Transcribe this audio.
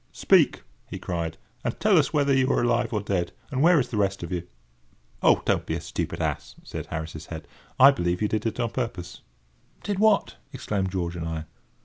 "Speak!" he cried, "and tell us whether you are alive or dead—and where is the rest of you?" "Oh, don't be a stupid ass!" said Harris's head. "I believe you did it on purpose." "Did what?" exclaimed George and I.